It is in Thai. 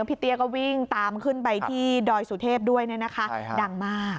เตี้ยก็วิ่งตามขึ้นไปที่ดอยสุเทพด้วยดังมาก